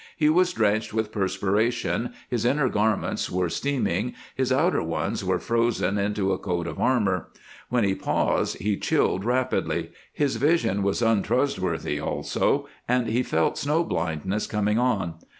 He was drenched with perspiration, his inner garments were steaming, his outer ones were frozen into a coat of armor; when he paused he chilled rapidly. His vision was untrustworthy, also, and he felt snow blindness coming on.